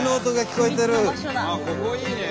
ここいいね。